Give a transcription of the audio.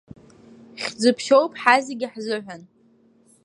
Хьӡы ԥшьоуп ҳазегьы ҳзыҳәан.